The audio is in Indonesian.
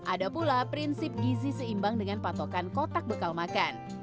ada pula prinsip gizi seimbang dengan patokan kotak bekal makan